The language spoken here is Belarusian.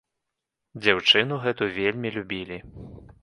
Дзяўчыну гэту вельмі любілі.